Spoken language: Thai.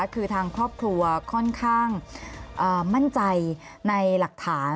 คือทางครอบครัวค่อนข้างมั่นใจในหลักฐาน